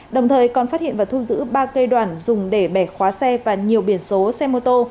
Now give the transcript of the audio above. đồng thời còn phát hiện và thu giữ ba cây đoạn dùng để bẻ khóa xe và nhiều biển số xe mô tô